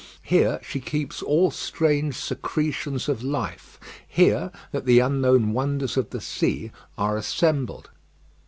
Here she keeps all strange secretions of life. Here that the unknown wonders of the sea are assembled.